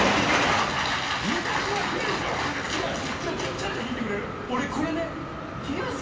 ちょっと聞いてくれる？